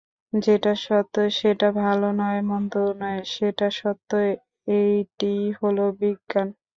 যেটা সত্য সেটা ভালোও নয় মন্দও নয়, সেটা সত্য, এইটেই হল বিজ্ঞান।